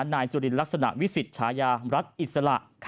นายสุรินรักษณะวิสิทธิ์ชายารัฐอิสระ